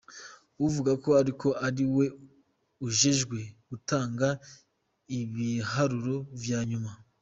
Uvuga ariko ko ariwo ujejwe gutanga ibiharuro vya nyuma.